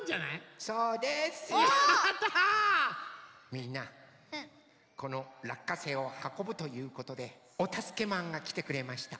みんなこのらっかせいをはこぶということでおたすけマンがきてくれました。